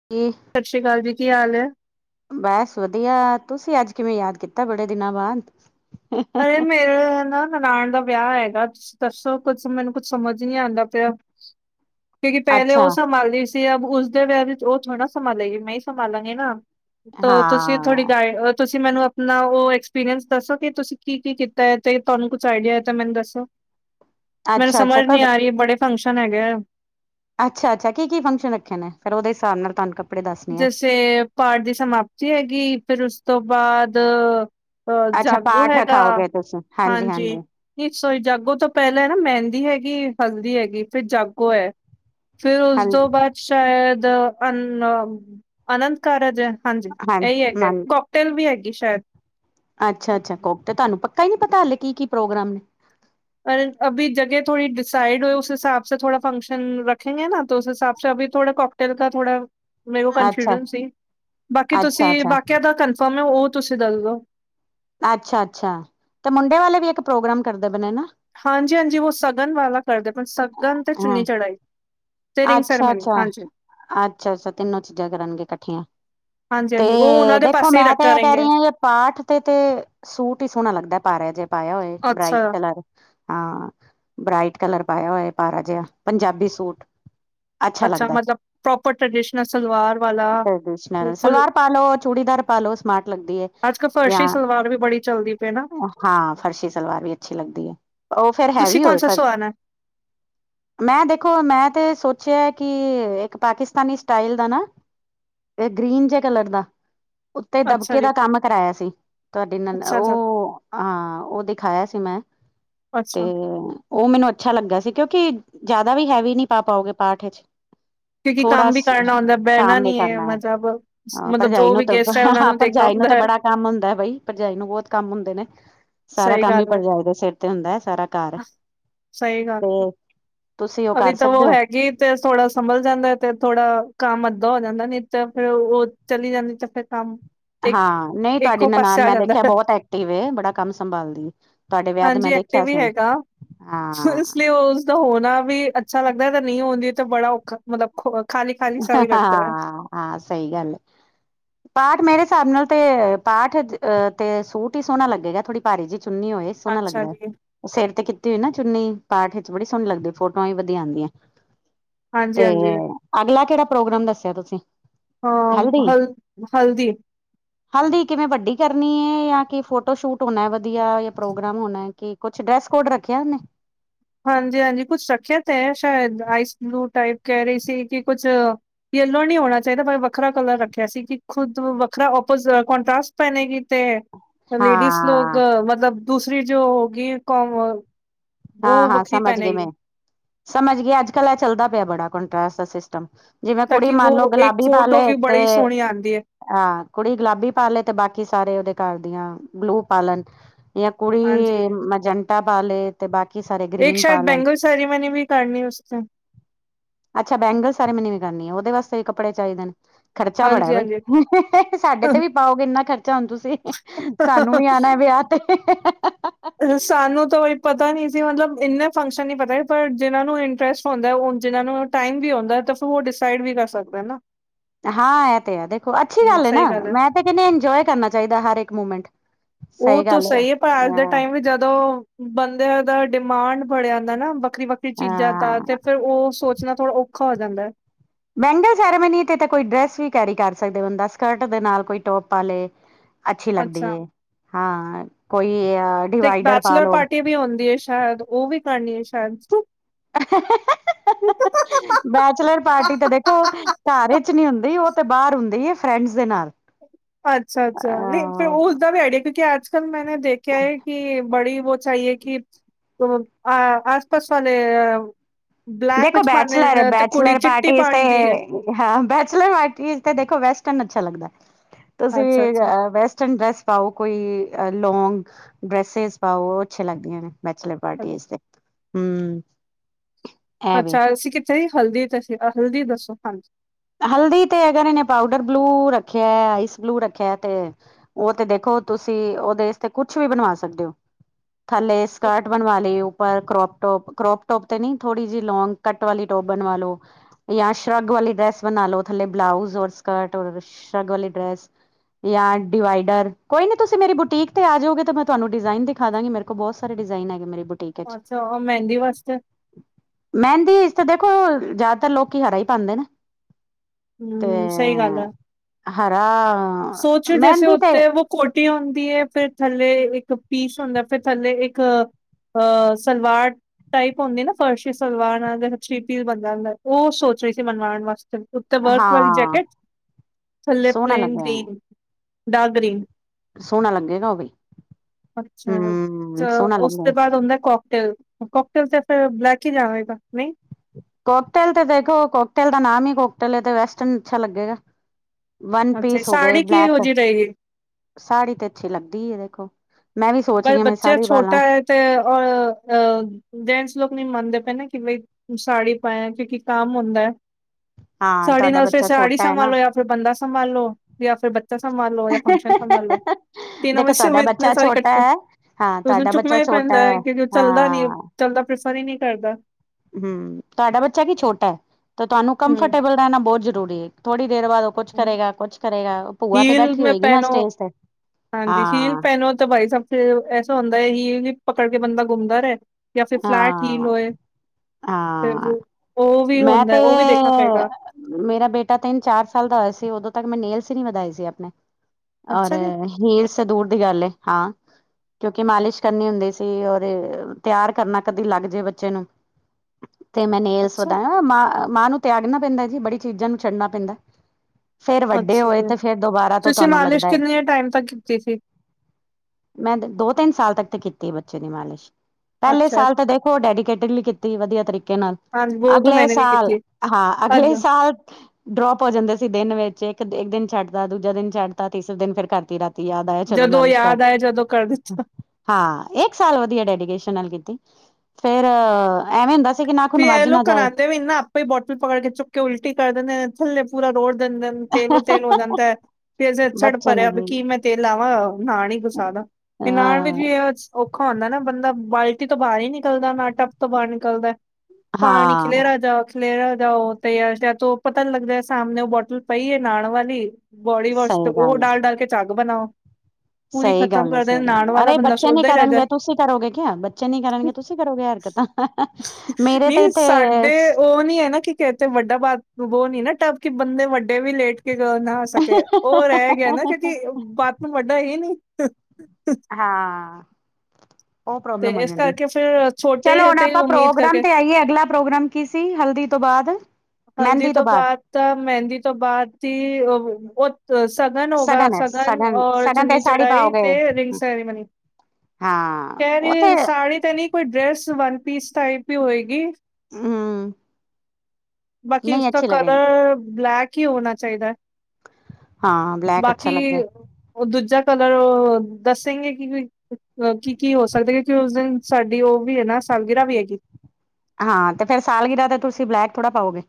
[unintelligible] ਸਤਿ ਸ੍ਰੀ ਅਕਾਲ ਜੀ ਕੀ ਹਾਲ ਹੈ। ਬਸ ਵਧੀਆ ਤੁਸੀਂ ਅੱਜ ਕਿਵੇਂ ਯਾਦ ਕੀਤਾ ਬੜੇ ਦਿਨਾਂ ਬਾਅਦ ਅਰੇ ਮੇਰੇ ਹੈ ਨਾ ਨਨਾਣ ਦਾ ਵਿਆਹ ਹੈਗਾ ਤੁਸੀਂ ਦੱਸੋ ਕੁੱਛ ਮੈਨੂੰ ਕੁੱਛ ਸਮਝ ਨੀ ਆਉਂਦਾ ਪਿਆ। ਕਿਉਂਕਿ ਪਹਿਲੇ ਅੱਛਾ ਉਹ ਸੰਭਾਲੀ ਸੀ। ਤੇ ਅ ਉਸਦੇ ਵਿਆਹ ਉਹ ਥੋੜਾ ਨਾ ਸੰਭਾਲੇਗੀ ਮੈਂ ਹੀ ਸੰਭਾਲਾਂਗੀ ਨਾ ਤੁਸੀਂ ਥੋਡੀ ਹਾਂ ਗਾਈਡ ਤੁਸੀਂ ਮੈਨੂੰ ਆਪਣਾ ਉਹ ਐਕਸਪੀਰੀਅੰਸ ਦੱਸੋ ਕਿ ਤੁਸੀਂ ਕੀ -ਕੀ ਕੀਤਾ ਹੈ ਤੇ ਤੁਹਾਨੂੰ ਕੁਛ ਆਈਡੀਆ ਹੈ ਤੇ ਮੈਨੂੰ ਦੱਸੋ ਮੈਨੂੰ ਅੱਛਾ ਸਮਝ ਅੱਛਾ ਨੀ ਕਦ ਆ ਰਹੀ ਬੜੇ ਫੰਕਸ਼ਨ ਹੈਗਾ। ਅੱਛਾ-ਅੱਛਾ ਕੀ-ਕੀ ਫੰਕਸ਼ਨ ਰੇ ਨੇ ਫਿਰ ਉਹਦੇ ਹਿਸਾਬ ਨਾਲ ਤੁਹਾਨ ਕੱ ਜੈਸੇ ਪਾਠ ਦੀ ਸਮਾਪਤੀ ਹੋਏਗੀ ਫਿਰ ਉਸ ਤੋਂ ਬਾਅਦ ਅ ਅੱਛਾ ਜਾਗੋ ਪਾਠ ਹੈਗਾ ਰਖਾਓਗੇ ਤੁਸੀਂ ਹਾਂਜੀ। ਨਹੀਂ ਸੋ ਜਾਗੋ ਤੋਂ ਪਹਿਲਾਂ ਨਾ ਮਹਿੰਦੀ ਹੈਗੀ ਹਲਦੀ ਹੈਗੀ ਫਿਰ ਜਾਗੋ ਹੈ। ਫਿਰ ਹਾਂ ਉਸ ਤੋਂ ਬਾਅਦ ਸ਼ਾਇਦ ਅ ਅਨੰਦ ਕਾਰਜ ਹੈ। ਹਾਂਜੀ ਇਹੀ ਹੈਗਾ ਕੋਕਟੇਲ ਵੀ ਹੈਗੀ ਸ਼ਾਇਦ ਅੱਛਾ-ਅੱਛਾ ਕੁਕ ਤੇ ਤੁਹਾਨੂੰ ਪੱਕਾ ਹੀ ਨੀ ਪਤਾ ਹੱਲੇ ਕੀ ਕੀ ਪ੍ਰੋਗਰਾਮ ਨੇ ਅ ਅਭੀ ਜਗਾ ਡਿਸਾਈਡ ਹੋਏ ਉਸ ਹਿਸਾਬ ਥੋੜਾ ਫੰਕਸ਼ਨ ਰੱਖੇਗੇ ਨਾ ਤਾਂ ਉਸ ਹਿਸਾਬ ਥੋੜਾ ਤਿਲ ਕਾ ਥੋੜਾ ਮੇਰੇ ਕੋਲ ਅੱਛਾ ਕਨਫਿਊਜਨ ਸੀ ਬਾਕੀ ਅੱਛਾ ਤੁਸੀਂ ਅੱਛਾ ਬਾਕਿਆ ਦਾ ਕਨਫਰਮ ਹੈ ਉਹ ਤੁਸੀਂ ਦੱਸਦੋ। ਅੱਛਾ-ਅੱਛਾ ਤੇ ਮੁੰਡੇ ਵਾਲੇ ਵੀ ਇੱਕ ਪ੍ਰੋਗਰਾਮ ਕਰਦੇ ਪਣੇ ਨਾ। ਹਾਂਜੀ-ਹਾਂਜੀ, ਉਹ ਸਗਨ ਵਾਲਾ ਕਰਦੇ ਸਗਨ ਤੇ ਹਾਂ ਚੁੰਨੀ ਚੜ੍ਹਾਈ ਅੱਛਾ, ਅੱਛਾ, ਅੱਛਾ, ਅੱਛਾ, ਤਿੰਨੋ ਚੀਜ਼ਾਂ ਕਰਨਗੇ ਇਕੱਠੀਆਂ ਹਾਂਜੀ ਤੇ ਹਾਂਜੀ ਉਹ ਉਹਨਾਂ ਦੇ ਦੇਖੋ ਪਾਸੇ ਹੀ ਮੈਂ ਤੇ ਰੱਖਾ ਇਹ ਕਹਿ ਰਹਿੰਗੇ ਰਹੀ ਹਾਂ। ਪਾਠ ਤੇ ਤੇ ਸੂਟ ਹੀ ਸੋਹਣਾ ਲੱਗਦਾ, ਪਾ ਰਿਹਾ ਜੇ ਪਾਇਆ ਹੋਏ ਬਰਾਾਈਟ ਕਲਰ ਹਾਂ ਬ੍ਰਾਈਟ ਕਲਰ ਪਾਇਆ ਹੋਇਆ, ਪਾਰਾ ਜਿਹਾ ਪੰਜਾਬੀ ਸੂਟ ਅੱਛਾ ਲੱਗਦਾ, ਟਰਡੀਸ਼ਨਲ ਸਲਵਾਰ ਪਾ ਲੋ ਚੂੜੀਦਾਰ ਪਾਲੋ ਸਮਾਰਟ ਲੱਗਦੀ ਏ। ਜਾਂ ਹਾਂ ਫਰਸ਼ੀ ਸਲਵਾਰ ਵੀ ਅੱਛੀ ਲੱਗਦੀ ਏ। ਉਹ ਫੇਰ ਤੁਸੀਂ ਹੈਵੀ ਹੋਏ ਪਰ ਮੈਂ ਦੇਖੋ ਮੈਂ ਤੇ ਸੋਚਿਆ ਕਿ ਇੱਕ ਪਾਕਿਸਤਾਨੀ ਸਟਾਈਲ ਦਾ ਨਾ ਇਹ ਗ੍ਰੀਨ ਜਿ ਕਲਰ ਦਾ ਉੱਤੇ ਦਬਕੇ ਦਾ ਕੰਮ ਕਰਾਇਆ ਸੀ। ਤੁਹਾਡੇ ਨਾਲ ਉਹ ਹਾਂ ਉਹ ਦਿਖਾਇਆ ਸੀ ਮੈਂ ਤੇ ਉਹ ਮੈਨੂੰ ਅੱਛਾ ਲੱਗਾ ਸੀ ਕਿਉਂਕਿ ਜਿਆਦਾ ਵੀ ਹੈਵੀ ਨੀ ਪਾਓਗੇ ਪਾਠ ਵਿੱਚ ਥੋੜਾ ਹੁੰਦਾ ਬਹਿਣਾ ਕੰਮ ਵੀ ਨੀ ਹੈ ਕਰਨਾ ਮਤਲਬ ਹੈ ਮਤਲਬ ਭਰਜਾਈ ਜੋ ਨੂੰ ਵੀ ਤਾਂ ਗੈਸਟ ਹੈ ਉਹਨਾਂ ਹਾਂ ਨੂੰ ਦੇਖਣਾ ਭਰਜਾਈ ਨੂੰ ਹੁੰਦਾ ਤੇ ਹੈ, ਬੜਾ ਕੰਮ ਹੁੰਦਾ ਬਾਈ ਭਰਜਾਈ ਨੂੰ ਬਹੁਤ ਕੰਮ ਹੁੰਦੇ ਨੇ। ਸਾਰਾ ਸਹੀ ਕੰਮ ਹੀ ਗੱਲ ਹੈ। ਭਜਏ ਦੇ ਸਿਰ ਤੇ ਹੁੰਦਾ ਹੈ ਸਾਰਾ ਘਰ ਸਹੀ ਗੱਲ ਹੈ, ਫੇਰ ਤੁਸੀਂ ਉਹ ਅਭੀ ਕਰ ਉਹ ਹੈਗੀ ਤੇ ਥੋੜਾ ਸੰਭਲ ਜਾਂਦਾ ਤੇ ਥੋੜਾ ਕੰਮ ਅੱਧਾ ਹੋ ਜਾਂਦਾ ਨੀ ਤੇ ਫੇਿਰ ਉਹ ਚਲੀ ਜਾਂਦੀ ਚ ਫੇਰ ਕੰਮ ਇੱਕ ਹਾਂ ਨਹੀਂ ਤੁਹਾਡੀ ਇੱਕੋ ਪਾਸੇ ਨਨਾਣ ਆ ਮੈਂ ਜਾਂਦਾ ਦੇਖਿਆ ਹੈ, ਬਹੁਤ ਐਕਟਿਵ ਬੜਾ ਕੰਮ ਸੰਭਾਲਦੀ। ਵਿਆਹ ਤੇ ਮੈਂ ਹਾਂਜੀ, ਐਕਟਿਵ ਦੇਖਿਆ ਵੀ ਸੀ ਹੈਗਾ, ਹਾਂ ਇਸ ਲਈ ਉਸ ਹੋਣਾ ਵੀ ਅੱਛਾ ਲੱਗਦਾ ਤੇ ਨਹੀਂ ਹੁੰਦੀ, ਤੇ ਬੜਾ ਔਖਾ ਮਤਲਬ ਖਾਲੀ ਖਾਲੀ ਸ ਵੀ ਲੱਗਦਾ ਹੈ। ਹਾਂ ਹਾਂ ਸਹੀ ਗੱਲ, ਪਾਠ ਮੇਰੇ ਹਿਸਾਬ ਨਾਲ ਤੇ ਪਾਠ ਅਹ ਤੇ ਸੂਟ ਹੀ ਸੋਹਣਾ, ਲੱਗੇਗਾ ਥੋੜ੍ਹੀ ਭਾਰੀ ਜਿ ਚੁੰਨੀ ਹੋਏ। ਸੋਹਣਾ ਲੱਗਦਾ ਹੈ, ਉਹ ਸਿਰ ਤੇ ਕੀਤੀ ਹੋਈ ਨਾ ਚੁੰਨੀ ਪ ਪਾਠ ਵਿੱਚ ਬੜੀ ਸੋਹਣੀ ਲੱਗਦੀ ਫੋਟੋਆਂ, ਵੀ ਵਧੀਆ ਆਦੀਆਂ। ਤੇ ਅਗਲਾ ਕਿਹੜਾ ਪ੍ਰੋਗਰਾਮ ਦੱਸਿਆ ਤੁਸੀਂ? ਹਾਂ ਹਲਦੀ ਹਲ ਹਲਦੀ, ਹਲਦੀ ਕਿਵੇਂ ਵੱਡੀ ਕਰਨੀ ਹੈ, ਜਾਂ ਕਿ ਫੋਟੋ ਸ਼ੂਟ ਹੋਣਾ ਵਧੀਆ ਜਾਂ ਪ੍ਰੋਗਰਾਮ ਹੋਣਾ ਕਿ ਕੁਛ ਡਰੈਸ ਕੋਡ ਰੱਖਿਆ ਉਹਨੇ ਹਾਂਜੀ-ਹਾਂਜੀ, ਕੁਛ ਸ਼ਖਿਅਤ ਹੈ, ਸ਼ਾਇਦ ਆਈਸ ਬਲੂ ਟਾਈਪ ਕਹਿ ਰਹੀ ਸੀ ਕਿ ਕੁਛ ਯੋਲੋ ਨੀ ਹੋਣਾ ਚਾਹੀਦਾ, ਵੱਖਰਾ ਕਲਰ ਰੱਖਿਆ ਸੀ, ਕਿ ਖੁਦ ਵੱਖਰਾਓੋ ਕੋਂਟਸਟ ਪਹਿਨੇਗੀ ਤੇ ਲੇਡੀਜ਼ ਲੋਕ ਹਾਂ ਮਤਲਬ ਦੂਸਰੀ ਜੋ ਹੋਗੀ ਕਮ ਹਾਂ-ਹਾਂ, ਸਮਝ ਗਏ ਮੈਂ, ਸਮਝ ਗ ਗਿਆਏ ਅੱਜ ਕੱਲ ਇਹ ਚੱਲਦਾ ਪਿਆ ਬੜਾ ਕੰੋਂਟਰੈਸਟ ਦਾ ਸਿਸਟਮ ਜਿਵੇਂ ਕੁੜੀ ਮੰਨ ਲਓ, ਗੁਲਾਬੀ ਪਾ ਲਏ ਤੇ, ਹਾਂ ਕੁੜੀ ਗੁਲਾਬੀ ਪਾ ਲੇ ਤੇ ਬਾਕੀ ਸਾਰੇ ਉਹਦੇ ਘਰ ਦੀਆਂ ਬਲੂ ਪਾਲਣ ਜਾਂ ਕੁੜੀ ਮਜੰਟਾ ਪਾ ਲੇ ਤੇ ਬਾਕੀ, ਸਾਰੇ ਇੱਕ ਗ੍ਰੀਨ ਪਾ ਸ਼ਾਇਦ ਲੈਣ ਬੈਂਗੁਲ ਸੈਰੀਮਨੀ ਵੀ ਕਰਨੀ ਉਸਦੇ, ਅੱਛਾ ਬੈਂਗਲ ਸੈਰੇਮੈਨੀ ਵੀ ਕਰਨੀ, ਉਹਦੇ ਵਾਸਤੇ ਕੱਪੜੇ ਚਾਹੀਦੇ ਨੇ ਖਰਚਾ ਬੜਾ ਹਾਂਜੀ-ਹਾਂਜੀ। ਬਾਈ ਸਾਡੇ ਤੇ ਵੀ ਪਾਓਗੇ, ਇੰਨਾ ਖਰਚਾ ਹੁਣ ਤੁਸੀਂ ਸਾਨੂੰ ਵੀ ਆਣਾ ਵਿਆਹ ਤੇ, ਸਾਨੂੰ ਤਾਂ ਪਤਾ ਨਹ ਸੀ ਮਤਲਬ ਇੰਨੇ ਫੰਕਸ਼ਨ ਨਹੀਂ ਪਤਾ ਸੀ ਪਰ ਜਿਹਨਾਂ ਨੂੰ ਇੰਟਰਸਟ ਹੁੰਦਾ ਉਹ ਜਿਹਨਾਂ ਨੂੰ ਟਾਈਮ ਵੀ ਆਦਾ ਹੈ, ਫਿਰ ਉਹ ਡਿਸਾਈਡ ਵੀ ਕਰ ਸਕਦਾ ਨਾ ਹਾਂ ਇਹ ਤੇ ਹੈ ਦੇਖੋ ਅੱਛੀ ਹੂੰ ਗੱਲ ਹੈ, ਨਾ ਸਹੀ ਐ। ਮੈਂ ਤੇ ਕਹਿੰ ਇੰਜੋਏ ਕਰਨਾ ਚਾਹੀਦਾ ਹਰ ਇੱਕ ਮੂਮੈਂਟ ਉਹ ਤਾਂ ਸਹੀ ਹੈ, ਪਰ ਅੱਜ ਦੇ ਟਾਈਮ ਵੀ ਜਦੋਂ ਬੰਦਿਆਂ ਦਾ ਡਿਮਾਂਡ ਬੜਿਆ ਜਾਂਦਾ ਨਾ। ਵੱਖਰੀ ਵੱਖਰੀ ਚੀਜ਼ਾਂ ਤ ਤੇ ਹਾਂ ਫੇਰ ਉਹ ਸੋਚਣਾ ਥੋੜਾ ਔਖਾ ਹੋ ਜਾਂਦਾ। ਬੈਂਗਲ ਸੈਰੇਮਨੀ ਤੇ ਤਾਂ ਕੋਈ ਡਰੈਸ ਵੀ ਕੈਰੀ ਕਰ ਸਕਦਾ, ਬੰਦਾ ਸਕਰਟ ਦੇ ਨਾਲ ਕੋਈ ਟੋਪ ਵਾਲੇ, ਅੱਛੀ ਲੱਗਦੀ ਅੱਛਾ ਹੈ ਹਾਂ ਕੋਈ। ਤੇ ਇੱਕ ਡਿਵਾਈਡਰ ਪਾ ਬੈਚਲਰ ਲੋ ਪਾਰਟੀ ਵੀ ਹੁੰਦੀ ਹੈ ਸ਼ਾਇਦ ਉਹ ਵੀ ਕਰਨੀ ਹੈ ਸ਼ਾਇਦ। ਬੈਚਲਰ ਪਾਰਟੀ ਤਾਂ ਦੇਖੋ। ਸਾਰੇ ਚ ਨਹੀਂੀ ਹੁੰਦੀ ਉਹ ਤੇ ਬਾਹਰ ਹੁੰਦੀ ਹੈ ਫਰੈਂਡਸ ਦੇ ਨਾਲ। ਅੱਛਾ-ਅੱਛਾ ਨਹੀਂ ਫਿਰ ਉਹ ਅ ਉਸਦਾ [unintelligible] ਕਿਉਕਿ ਅੱਜ ਕੱਲ ਮੈਂ ਮੈਂ ਦੇਖਿਆ ਹੈ ਕਿ ਬੜੀ ਵੋ ਚਾਹੀਏ ਕਿ ਅ ਆਸ ਪਾਸ ਵਾਲੇ ਦੇਖੋ ਬੈਚਲਰ ਆ ਬੈਚਲਰ ਚਿੱਟੀ ਪਾਰਟੀ ਇਚ ਤੇ ਪਾਉਂਦੀ ਹੈ। ਹਾਂ ਬੈਚਲਰ ਪਾਰਟੀ ਵਿੱਚ ਤਾਂ ਦੇਖੋ ਵੈਸਟਰਨ ਅੱਛਾ ਲੱਗਦਾ। ਤੁਸੀਂ ਅੱਛਾ-ਅੱਛਾ, ਵੈਸਟਰਨ ਡਰੈਸ। ਪਾਓ ਕੋਈ ਲੋਂਗ ਡਰੈੱਸਾਂ ਪਾਓ ਅੱਛੇ ਲੱਗਦੀਆਂ ਨੇ ਬੈਚਲਰ। ਅੱ ਪਾਰਟੀ ਹਮ। ਐ ਵੀ ਅੱਛਾ, ਅਸੀਂ ਕਿੱਥੇ ਸੀ ਹਲਦੀ ਤੇਸੀ ਹਲਦੀ ਦੱਸੋ ਹਾਂਜੀ। ਹਲਦੀ ਤੇ ਅਗਰ ਇਹਨੇ, ਪਾਊਡਰ ਬਲੂ ਰੱਖਿਆ ਆਈਸ ਬਲੂ ਰੱਖਿਆ ਤੇ ਉਹ ਤੇ ਦੇਖੋ, ਤੁਸੀਂ ਉਹਦੇ ਇਸ ਤੇ ਕੁਛ ਵੀ ਬਣਵਾ ਸਕਦੇ ਹੋ। ਥੱਲੇ ਸਕਰਟ ਬਣਵਾ, ਲਈ ਉੱਪਰ ਕਰੋਪਟੋਪ ਕਰੋਪਟੋਪ ਤੇ ਨੀ ਥੋੜ੍ਹੀ ਜਿਹੀ ਲੌਂਗ ਕੱਟ ਵਾਲੀ ਟੋਬਨ ਵਾਲੋ ਜਾਂ ਸ਼ਰੱਗ ਵਾਲੀ ਦਰੈੱਸ ਨਾਲ ਲਓ ਥੱਲੇ ਬਲਾਊਜ਼ ਔਰ ਸਕਰਟ ਔਰ ਸ਼ਰਗ ਵਾਲੀ ਡਰੈਸ। ਜਾਂ ਡਿਵਾਈਡਰ ਕੋਈ ਨੀ ਤੁਸੀ ਮੇਰੀ ਬੁਟੀਕ ਤੇ ਆ ਜਾਓਗੇ ਤਾਂ ਮੈਂ ਤੁਹਾਨੂੰ ਡਿਜ਼ਾਇਨ ਦਿਖਾ ਦਾਂਗੀ ਮੇਰੇ ਬਹੁਤ ਸਾਰੇ ਡਿਜ਼ਾਇਨ ਹੈਗੇ ਮੇਰੇ ਬੁਟੀਕ ਵਿੱਚ ਅੱਛਾ ਓ ਮਹਿੰਦੀ ਵਾਸਤੇ। ਮਹਿੰਦੀ ਇਸ ਤਾਂ ਦੇਖੋ ਜ਼ਿਆਦਾਤਰ ਲੋਕੀ ਹਰਾ ਹੀ ਪਾਦੇ ਨੇ। ਤੇ ਹਮ ਸਹੀ ਗੱਲ ਹੈ ਹਰਾ ਸੋਚੋ ਜੈਸੇ ਮਹਿੰਦੀ ਤੇ ਹੋਤੇ ਹੈ ਵੋ ਕੋਟੀ ਹੁੰਦੀ ਹੈ ਫੇਰ ਥੱਲੇ ਇੱਕ ਪੀਸ ਹੁੰਦਾ ਫੇਰ ਥੱਲੇ ਇੱਕ ਅ ਸਲਵਾਰ ਟਾਈਪ ਹੁੰਦੀ ਨਾ ਫਰਸ਼ੀ ਸਲਵਾਰ [unintelligible] ਥਰੀ ਪੀਸ ਬਣ ਜਾਂਦਾ ਉਹ ਸੋਚ ਰਹੀ ਸੀ ਬਣਾਉਣ ਵਾਸਤੇ। ਤੇ ਵਰਕ ਵਾਲੀ ਹਾਂ ਜੈਕੇਟ ਥੱਲੇ ਸੋਹਣਾ ਪਲੇਨ ਲੱਗੇਗਾ, ਗਰੀਨ ਡਾਰਕ ਗ੍ਰੀਨ। ਸੋਹਣਾ ਲੱਗੇਗਾ ਉਹ ਵੀ। ਅੱਛਾ ਹੂੰ ਚ ਸੋਹਣਾ ਉਸਦੇ ਲੱਗੇਗਾ। ਬਾਅਦ ਹੁੰਦਾ ਕੋ ਟਲ ਕੋਕਟਲ ਤੇ ਫੇਰ ਬਲੈਕ ਹੀ ਜਾਏਗਾ ਨਹੀਂ। ਕੋਕਟੇਲ ਤੇ ਦੇਖੋ ਕੋਕਟੇਲ ਦਾ ਨਾਮ ਹੀ ਕੋਕਟੇਲ ਹੈ ਤੇ ਵੈਸਟਰਨ ਅੱਛਾ ਲੱਗੇਗਾ। ਵਨ ਅੱਛਾ ਪੀਸ ਹੋ ਗਏ ਸਾੜੀ ਕੀ ਹੋ ਬਲੈਕ ਜੀ ਰਹੇਗੀ ਸਾੜੀ ਤੇ ਅੱਛੀ ਲੱਗਦੀ ਹੈ ਦੇਖੋ। ਮੈਂ ਵੀ ਸੋਚ ਪਰ ਰਹੀ ਹ ਮੈਂ ਬੱਚਾ ਸਾੜੀ ਪਾਲਾ। ਛੋਟਾ ਹੈ ਤੇ ਹ ਅਹ ਜੈਂਟਸ ਲੋਕ ਨੀ ਮੰਨਦੇ ਪਏ ਨਾ ਕਿ ਬਈ ਸਾੜੀ ਪਾਏ ਕਿਉਕਿ ਕੰਮ ਹੁੰਦਾ। ਹਾਂ ਸਾੜੀ ਤੁਹਾਡਾ ਨਾਲ ਫਿਰ ਬੱਚਾ ਸਾੜੀ ਛੋਟਾ ਹੈ ਨਾ। ਸੰਭਾਲੋ ਜਾਂ ਫਿਰ ਬੰਦਾ ਸੰਭਾਲੋ ਜਾਂ ਫਿਰ ਬੱਚਾ ਸੰਭਾਲੋ ਜਾਂ ਫੰਕਸ਼ਨ ਸਮਾਲੋ ਦੇਖੋ ਤੁਹਾਡਾ ਬੱਚਾ ਛੋਟਾ ਹੈ। [unintelligible] ਹਾਂ ਉਸਨੂੰ ਤੁਹਾਡਾ ਚੁੱਕਣਾ ਬੱਚਾ ਹੀ ਪੈਂਦਾ ਛੋਟਾ ਹੈ ਕਿ ਜੋ ਚੱਲਦਾ ਨੀ ਚੱਲਦਾ ਪ੍ਰੇਫਰ ਹੀ ਨਹੀਂ ਕਰਦਾ। ਹਮ ਤੁਹਾਡਾ ਬੱਚਾ ਕੀ ਛੋਟਾ ਤੇ ਤੁਹਾਨੂੰ ਕੰਫਰਟੇਬਲ ਰਹਿਣਾ ਬਹੁਤ ਜ਼ਰੂਰੀ ਹੈ। ਥੋੜ੍ਹੀ ਦੇਰ ਬਾਅਦ ਉਹ ਕੁਛ ਕਰੇਗਾ, ਕੁਛ ਕਰੇਗਾ ਉਹ ਭੂਆ ਤੇ ਬੈਠੀ ਹੋਏਗੀ ਨਾ ਸਟੇਜ ਤੇ। ਹਾਂਜੀ ਹੀਲ ਹਾਂ ਪੈਨੋ ਤਾਂ ਬਾਈ ਸਬ ਫਿਰ ਐਸਾ ਹੁੰਦਾ ਹੈ ਹੀਲ ਹੀ ਪਕੜ ਕੇ ਬੰਦਾ ਗੁੰਮਦਾ ਰਹੇ। ਜਾਂ ਫਿਰ ਫਲੈਟ ਹੀਲ ਹਾਂ ਹੋਏ। ਫ ਹਾਂ ਉਹ ਵੀ ਮੈਂ ਤੇ ਹੁੰਦਾ ਉਹ ਵੀ ਦੇਖਣਾ ਪਏਗਾ। ਮੇਰਾ ਬੇਟਾ ਤਿੰਨ ਚਾਰ ਸਾਲ ਦਾ ਹੋਇਆ ਸੀ ਉਦੋਂ ਤੱਕ ਮੈਂ ਨੇਲਸ ਨੀ ਵਧਾਏ ਸੀ ਆਪਣੇ। ਅਰੇ। ਹੀਲਸ ਤੇ ਦੂਰ ਦੀ ਗੱਲ ਐ ਹਾਂ ਕਿਉਂਕਿ ਮਾਲਿਸ਼ ਕਰਨੀ ਹੁੰਦੀ ਸੀ ਔਰ ਤਿਆਰ ਕਰਨਾ ਕਦੀ ਲੱਗ ਜੇ ਬੱਚੇ ਨੂੰ ਤੇ ਮੈਂ ਨੇਲਸ ਵਧਾਇਆ ਮਾਂ ਮਾਂ ਨੂੰ ਤਿਆਗਨਾ ਪੈਂਦਾ ਜੀ ਬੜੀ ਚੀਜ਼ਾਂ ਨੂੰ ਛੱਡਨਾ ਪੈਂਦਾ। ਫੇਰ ਵੱਡੇ ਹੋਏ ਤੇ ਫੇਰ ਦੁਬਾਰਾ ਤੋਂ ਤੁਹਾਨੂੰ ਲੱਗਦਾ। ਮੈਂ ਦੋ ਤਿੰਨ ਸਾਲ ਤੱਕ ਤੇ ਕੀਤੀ ਬੱਚੇ ਦੀ ਮਾਲਿਸ਼। ਪਹਿਲੇ ਸਾਲ ਤਾਂ ਦੇਖੋ ਡੈਡੀਕੇਟਡ ਵੀ ਕੀਤੀ ਵਧੀਆ ਤਰੀਕੇ ਨਾਲ। ਅਗਲੇ ਸਾਲ ਹਾਂ ਅਗਲੇ ਸਾਲ ਡਰੋਪ ਹੋ ਜਾਂਦੇ ਸੀ ਦਿਨ ਵਿੱਚ ਇੱਕ, ਇੱਕ ਦਿਨ ਛੱਡਤਾ ਦੂਜਾ ਦਿਨ ਛੱਡਤਾ ਤੀਸਰੇ ਦਿਨ ਫੇਰ ਕਰਤੀ ਰਾਤੀ ਤੇ ਯਾਦ ਆਇਆ ਚਲੋ ਜਦੋਂ ਮਾਲ ਯਾਦ ਆਏ ਜਦੋਂ ਕਰ ਦਿੱਤਾ ਹਾਂ ਇੱਕ ਸਾਲ ਵਧੀਆ ਡੈਡੀਕੇਸ਼ਨ ਨਾਲ ਕੀਤੀ ਫੇਰ ਐਵੇਂ ਹੁੰਦਾ ਸੀ ਕਿ ਨਾਖੁਨ ਵੀ ਇਹ ਵੱਜ ਲੋਕ ਨਾ ਕਰਾਦੇ ਵੀ ਨਾ ਆਪਾਂ ਹੀ ਬੋਟਲ ਪਕੜ ਕੇ ਚੁੱਕ ਕੇ ਉਲਟੀ ਕਰ ਦਿੰਦੇ ਨੇ। ਥੱਲੇ ਪੂਰਾ ਰੋੜ ਦਦੇ ਤੇਲੋਂ ਜਾਏ ਤੇਲ ਹੋ ਜਾਂਦਾ। ਤੇ ਅੇਛੜ ਬੱਚੇ ਨੇ ਭਰਿਆ ਵੀ ਕੀ ਮੈਂ ਤੇਲ ਲਾਵਾਂ ਨਾਨ ਹੀ ਗੁਸਾ ਦਾ ਤੇ ਨਣ ਵਿੱਚ ਅਹ ਵੀ ਔਖਾ ਹੁੰਦਾ ਨਾ ਬੰਦਾ ਬਾਲਟੀ ਤੋਂ ਬਾਹਰ ਹੀ ਨਿਕਲਦਾ ਨਾ ਟੱਪ ਤੋਂ ਬਾਹਰ ਨਿਕਲਦਾ। ਪਾਣੀ ਕਿ [unintelligible] ਹਾਂ ਲੇਰ ਜਾਓ ਤੇ ਯ ਪਤਾ ਨੀ ਲੱਗਦਾ ਸਾਹਮਣੇ ਉਹ ਬੋਟਲ ਪਈ ਹੈ ਨਾਣ ਵਾਲੀ ਬੋਡੀ ਵਾਸ਼ ਤੇ ਸਹੀ ਉਹ ਗੱਲ ਹੈ ਡਾਲ-ਡਾਲ ਕੇ ਝੱਗ ਬਣਾਓ। ਪੂਰੀ ਸਹੀ ਖਤਮ ਗੱਲ ਹੈ ਕਰਦੇ ਸਹੀ ਨਹਾਣ ਗੱਲ ਵਾਲਾ ਅਰੇ ਬੰਦਾ ਬੱਚੇ ਨੀ ਸੋਚਦਾ ਹੀ ਰਹਿ ਜਾ ਕਰਨਗੇ ਤੁਸੀ ਕਰੋਗੇ ਕਿਆ ਬੱਚੇ ਨੀ ਕਰਨਗੇ ਤੁਸੀਂ ਕਰੋਗੇ ਹਰਕਤਾ। ਹ-ਹ। ਨੀ ਸਾਡੇ ਉਹ ਨੀ ਹੈ ਨਾ ਕਿ ਕਤੇ ਵੱਡਾ ਬਾ ਬੋ ਨੀ ਨਾ ਟਬ ਕੇ ਬੰਦੇ ਵੱਡੇ ਵੀ ਲੇਟ ਕੇ ਨਾ ਸ ਸਕਿਆ ਉਹ ਰਹਿ ਗਿਆ ਨਾ ਕਿਉਂਕਿ ਬਾਥਰੂਮ ਵੱਡਾ ਹੀ ਨੀ। ਹਾਂ ਉਹ ਤੇ ਪ੍ਰੋਬਲਮ ਹੋ ਇਸ ਜਾਂਦੀ। ਕਰਕੇ ਫਿਰ ਚਲੋ ਛੋਟੇ ਹੁਣ ਤੇ ਹੀ ਆਪਾਂ ਉਮੀਦ ਪ੍ਰੋਗਰਾਮ ਕਰਕੇ ਤੇ ਆਈਏ ਅਗਲਾ ਪ੍ਰੋਗਰਾਮ ਕੀ ਸੀ ਹਲਦੀ ਤੋਂ ਬਾਅਦ? ਹਲਦੀ ਤੋਂ ਬਾਅਦ ਤਾਂ ਮਹਿੰਦੀ ਤੋਂ ਬਾਅਦ ਹੀ ਉਹ ਸਗਨ ਹੋਗਾ, ਹੈ ਸਗਨ ਔਰ, ਸਗਨ ਤੇ ਚੁੰਨੀ ਸਾੜੀ ਚੜਾਈ ਪਾਓਗੇ ਤੇ ਰਿੰਗ ਸੈਰੇਮਨੀ। ਹਾਂ ਕਹਿ ਉਥੇ ਰਹੀ ਸਾੜੀ ਤਾਂ ਨਹੀਂ ਕੋਈ ਡਰੈਸ ਵਨ-ਪੀਸ ਟਾਈਪ ਹੀ ਹੋਏਗੀ। ਹੂੰ ਬਾਕੀ ਉਸਦਾ ਕਲਰ ਬਲੈਕ ਈ ਹੋਨਾ ਚਾਹੀਦਾ। ਹਾਂ ਬਲੈਕ ਅੱਛਾ ਬਾਕੀ ਲੱਗੇ ਓ ਦੂਜਾ ਕਲਰ ਦੱਸੇਗੇ ਕਿ ਅ ਕੀ-ਕੀ ਹੋ ਸਕਦੀ ਕਿਉਕਿ ਉਸ ਦਿਨ ਸਾਡੀ ਉਹ ਵੀ ਹੈ ਨਾ ਸਾਲਗਰਾਹ ਵੀ ਹੈਗੀ। ਹਾਂ ਤੇ ਫੇਰ ਸਾਲਗਰਾ ਤੇ ਤੁਸੀਂ ਬਲੈਕ ਥੋੜ੍ਹਾ ਪਾਓਗੇ।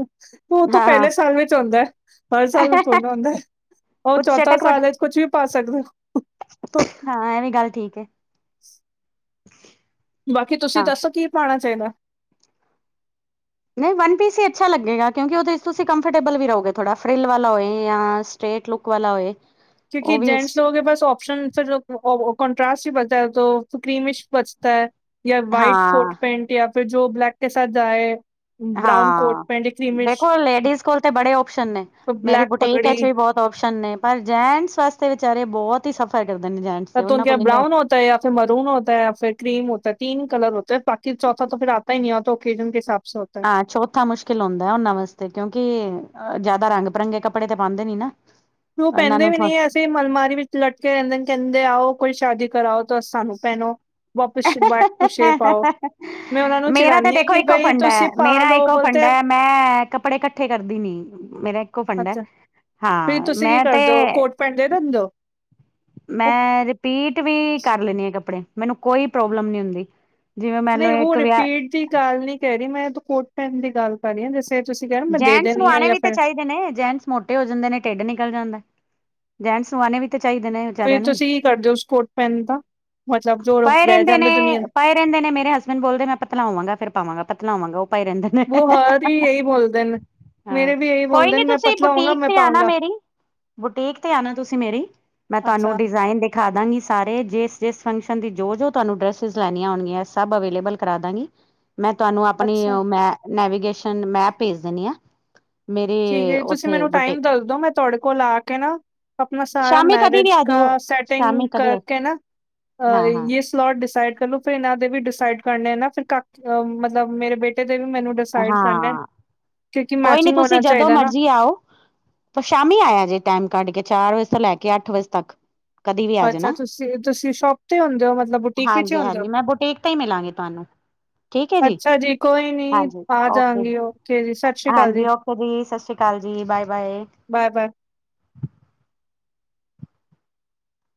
ਉਹ ਤਾਂ ਹਾਂ ਪਹਿਲੇ ਸਾਲ ਵਿੱਚ ਹੁੰਦਾ ਐ। ਹਰ ਸਾਲ ਵਿੱਚ ਥ੍ਹੋੜਾ ਹੁੰਦਾ ਐ। ਉਹ ਕੁੱਛ ਚੌਥਾ ਚਟਕ ਸਾਲ ਵਟਕ ਵਿੱਚ ਕੁਛ ਵੀ ਪਾ ਸਕਦੇ ਓ। ਹਾਂ ਇਹ ਵੀ ਗੱਲ ਠੀਕ ਏ ਬਾਕੀ ਤੁਸੀਂ ਹਾਂ ਦੱਸੋ ਕੀ ਪਾਉਣਾ ਚਾਈਦਾ?? ਨਹੀਂ ਵਨ ਪੀਸ ਹੀ ਅੱਛਾ ਲੱਗੇਗਾ ਕਿਉਂਕਿ ਉਹਦੇ ਤੁਸੀਂ ਕੰਫਰਟੇਬਲ ਵੀ ਰਹੋਗੇ ਥੋੜਾ ਫਿਲ ਵਾਲਾ ਹੋਏ ਜਾਂ ਸਟ੍ਰੇਟ ਲੁੱਕ ਵਾਲਾ ਹੋਏ। ਉਹ ਕਿਉਂਕ ਵੀ ਜੇਟਸੋ ਕੇ ਪਾਸ ਓਪਸ਼ਨ ਫਿਰ ਕੋਂਟ੍ਰਾਸਟ ਹੀ ਬਚਦਾ ਕ੍ਰੀਮਿਸ਼ ਬਚਤਾ ਹੈ ਜਾਂ ਵਾਈਟ ਹਾਂ, ਕੋਟ ਪੈਂਟ ਜਾਂ ਫਿਰ ਜੋ ਬਲੈਕ ਕੇ ਸਜ ਜਾਏ। ਹਾਂ ਦੇਖੋ ਲੇਡੀਜ਼ ਕੋਲ ਤੇ ਬੜੇ ਓਪਸ਼ਨ ਨੇ ਮੇਰੀ ਬੁਟੀਕ ਵਿੱਚ ਵੀ ਬਹੁਤ ਓਸ਼ਨ ਨੇ ਪਰ ਜੈਂਟਸ ਵਾਸਤੇ ਵਿਚਾਰੇ ਬਹੁਤ ਹੀ ਸਫ਼ਰ ਕਰਦੇ ਨੇ ਜੈਂਟਸ ਦੇ ਉਹਨਾਂ ਕੋਲ ਜਾਂ ਫਿਰ ਮਰੂਨ ਹੋ ਹੈ ਜਾਂ ਫਿਰ ਕਰੀਮ ਹੋਤਾ ਹੈ। ਤੀਨ ਕਰ ਹੋਤਾ ਹੈ। ਬਾਕੀ ਚੌਥਾ ਫਿਰ ਆਤਾ ਹੀ ਨਹੀਂ ਹੋ ਤਾਂ ਓਕੇਜਨ ਕੇ ਹਿਸਾਬ ਹੋ ਹਾਂ ਚੌਥਾ ਮੁਸ਼ਕਿਲ ਹੁੰਂਦਾ ਉਹਨਾਂ ਵਾਸਤੇ ਕਿਉਂਕਿ ਜਿਆਦਾ ਰੰਗ ਬਿਰੰਗੇ ਕੱਪੜੇ ਤੇ ਪਾਉਂਦੇ ਨੀ ਨਾ ਉਹ ਉਹਨਾਂ ਪਹਿੰਦੇ ਨੂੰ ਵੀ ਥੋ ਨਹੀਂ ਫ ਮਲਮਾਰੀ ਵਿੱਚ ਲਟਕੇ ਰਹਿੰਦੇ ਕਹਿੰਦੇ ਆਓ ਕੋਈ ਸ਼ਾਦੀ ਕਰਾਓ ਤਾਂ ਸਾਨੂੰ ਪੈਨੋ। ਮੈਂ ਉਹਨਾਂ ਨੂੰ ਮੇਰਾ ਤੇ ਚਿੜਾਨੀ ਆ ਦੇਖੋ ਕਿ ਇੱਕੋ ਬਈ ਫੰਡ ਹੈ, ਤੁਸੀਂ ਪਾ ਮੇਰਾ ਲਓ ਇੱਕੋ ਬੋਲਤੇ ਹੈ ਫੰਡਾ ਮੈਂ ਕੱਪੜੇ ਇਕੱਠੇ ਕਰਦੀ ਨੀ ਮੇਰਾ ਫੰਡਾ ਅੱਛਾ, ਹਾਂ ਮੈਂ ਤੇ ਪਡ ਦੰਦੋ ਮੈਂ ਰਿਪੀਟ ਵੀ ਕਰ ਲੈਦੀ ਹਾਂ ਕੱਪੜੇ ਮੈਨੂੰ ਕੋਈ ਪ੍ਰੋਬਲਮ ਨਹੀਂ ਹੁੰਦੀ। ਜਿਵੇਂ ਮੈਨੂੰ ਨਹੀਂ ਉਹ ਇੱਕ ਵਿਆਹ ਰਿਪੀਟ ਦੀ ਗੱਲ ਨੀ ਕਹਿ ਰਹੀ ਮੈਂ ਤੂੰ ਕੋਟ ਪੈਣ ਦੀ ਗੱਲ ਸੀਆ ਜਸੇ ਤੁਸੀਂ ਕਹਿਣਾ ਮੈਂ ਜੈਂਟਸ ਨੂੰ ਦੇਣੀ ਹਾਂ ਆਣੇ ਜਾਂ ਵੀ ਤਾਂ ਫਿਰ ਚਾਹੀਦੇ ਨੇ ਜੈਂਨਟਸ ਮੋਟੇ ਹੋ ਜਾਂਦੇ ਨੇ ਢਿੱਡ ਨਿਕਜਲ ਜਾਂਦਾ ਜੈਂਟਸ ਨੂ ਆਣੇ ਵੀ ਤੇ ਚਾਹੀਦੇ ਨੇ। ਫੇਰ ਵਿਚਾਰਿਆਂ ਨੂੰ ਤੁਸੀਂ ਕੀ ਕਰਦੇ ਹੋ ਉਸ ਕੋਟ ਪੈਣ ਦਾ ਮਤਲਬ ਜੋ ਪਏ ਰਹਿ ਰਹਿੰਦੇ ਜਾਂਦੇ ਨੇ ਜੋ? ਪਏ ਰਹਿੰਦੇ ਨੇੇ ਮੇਰੇ ਹਸਬੈਂਡ ਬੋਲਦੇ ਨੇ ਮੈ ਪਤਲਾ ਹੋਵਾਂਗਾ ਫਿਰ ਪਾਵਾਂਗਾ ਪਤਲਾ ਹੋਵਾਂਗਾ ਉਹ ਪਏ ਰਹਿੰਦੇ ਨੇ। ਬੋ ਹਾਰ ਹੀ ਇਹੀ ਬੋਲਦੇ ਨੇ। ਹਾਂ ਮੇਰੇ ਵੀ ਇਹੀ ਕੋਈ ਬੋਲਦੇ ਨੀ ਨੇ ਮੈਂ ਤੁਸੀਂ ਪਤਲਾ ਹੋਊਂਗਾ ਬੁਟੀਕ ਮੈਂ ਤੇ ਆਣਾ ਪਾਊਂਗਾ ਮੇਰੀ ਬੁਟੀਕ ਤੇ ਆਉਣਾ ਤੁਸੀਂ ਮੇਰੀ ਮੈਂ ਤੁਹਾਨੂੰ ਅੱਛਾ ਡਿਜ਼ਾਇਨ ਦੇਖ ਦਿਖਾ ਦਾਂਗੀ ਸਾਰੇ ਜਿਸ ਜਿਸ ਫੰਕਸ਼ਨ ਦੀ ਜੋ ਤੁਹਾਨੂੰ ਡਰੈਸਿਸ ਲੈਣੀਆਂ ਹੋਣਗੀਆਂ ਸਭ ਅਵੇਲੇਬਲ ਕਰਾ ਦਾਂਗੀ। ਮੈਂ ਤੁਹਾਨੂੰ ਆਪਣੀ ਅੱਛਾ ਮੈ ਨੈਵੀਗੇਸ਼ਨ ਮੈਪ ਭੇਜ ਦਿੰਦੀ ਆ ਠੀਕ ਹੈ ਜੀ ਤੁਸੀਂ ਮੈਨੂੰ ਟਾਈਮ ਦੱਸਦੋ? ਮੈਂ ਤੁਹਾਡੇ ਕੋਲ ਆ ਕੇ ਨਾ ਆਪਣਾ ਸਾਰਾ ਸ਼ਾਮੀ ਕਦੇ ਵੀ ਮੈਰਿਜ ਆ ਜਾਓ ਕਾ ਸੈਟਿੰਗ ਸ਼ਾਮੀ ਕਦੇ ਕਰਕੇ ਨਾ ਅ ਹਾਂ ਹਾਂ ਯ ਲੋਟ ਡਿਸਾਈਡ ਕਰ ਫਿਰ ਇਹਨਾਂ ਦੇ ਵੀ ਡਿਸਾਈਡ ਕਰਨੇ ਨਾ ਫਿਰ ਕ ਅ ਮਤਲਬ ਮੇਰੇ ਬੇਟੇ ਦੇ ਵੀ ਮੈਨੂੰ ਸਾਈਡ ਕਰਨਾ ਹਾਂ ਕਿਉਂਕਿ ਕੋਈ ਨੀ ਮੈਚਿੰਗ ਹੋਣਾ ਤੁਸੀਂ ਜਦੋਂ ਚਾਹੀਦਾ ਨਾ ਮਰਜ਼ੀ ਆਓ ਤਾਂ ਸ਼ਾਮੀ ਆਇਆ ਜੇ ਟਾਈਮ ਕੱਢ ਕੇ ਚਾਰ ਵਜੇ ਤੋਂ ਲੈ ਕੇ ਅੱਠ ਵਜੇ ਤੱਕ। ਕਦੀ ਵੀ ਆ ਅੱਛਾ ਜਾਣਾ ਤੁਸੀਂ ਤੁਸੀਂ ਸ਼ੋਪ ਤੇ ਹੁੰਦੇ ਹੋ, ਮਤਲਬ ਬੁਟੀਕ ਵਿੱਚ ਹੀ ਹਾਂਜੀ ਹੁੰਦੇ ਓ? ਹਾਂਜੀ ਮੈਂ ਬੁਟੀਕ ਤੇ ਹੀ ਮਿਲਾਂਗੀ ਤੁਹਾਨੂੰ ਠੀਕ ਹੈ ਅੱਛਾ ਜੀ ਕੋਈ ਨੀ ਹਾਂਜੀ ਆ ਓਕੇ ਜਾਂਗੀ ਓਕੇ ਜੀ ਸਤਿ ਸ਼੍ਰੀ ਅਕਾਲ ਜੀ। ਹਾਂਜੀ ਓਕੇ ਜੀ ਸਤਿ ਸ਼੍ਰੀ ਅਕਾਲ ਜੀ ਬਾਏ -ਬਾਏ ਬਾਏ -ਬਾਏ